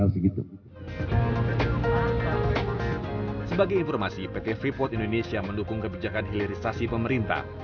sebagai informasi pt freeport indonesia mendukung kebijakan hilirisasi pemerintah